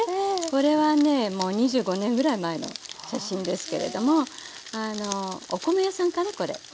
これはねもう２５年ぐらい前の写真ですけれどもお米屋さんかなこれ。